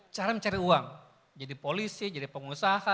cara mencari uang jadi polisi jadi pengusaha